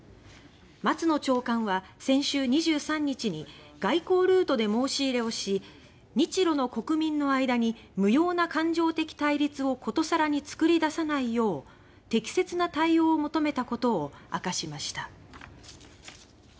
松野長官は、先週２３日に外交ルートで申し入れをし日ロの国民の間に無用な感情的対立を殊更に作り出さないよう適切な対応を求めたことを明かしました。